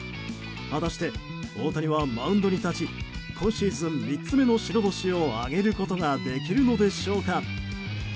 果たして、大谷はマウンドに立ち今シーズン３つ目の白星を挙げることができるのでしょうか。